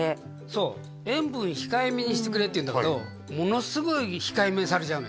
そう「塩分控えめにしてくれ」って言うんだけどものすごい控えめにされちゃうのよ